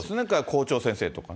校長先生とかね。